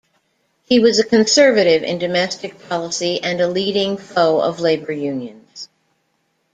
He was a conservative in domestic policy and a leading foe of labor unions.